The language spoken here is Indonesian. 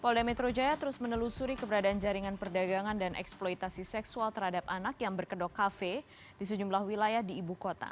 polda metro jaya terus menelusuri keberadaan jaringan perdagangan dan eksploitasi seksual terhadap anak yang berkedok kafe di sejumlah wilayah di ibu kota